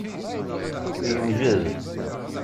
Yewjed.